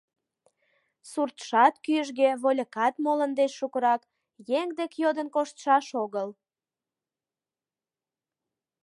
Суртшат кӱжгӧ, вольыкат молын деч шукырак — еҥ дек йодын коштшаш огыл.